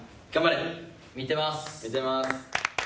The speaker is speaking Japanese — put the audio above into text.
見てます。